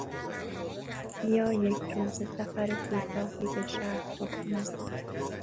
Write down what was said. بیا یکروزه سفر کوتاهی به شهر بکنیم.